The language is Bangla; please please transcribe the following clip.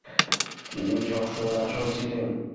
তিনি সবসময় 'আসল' ছিলেন।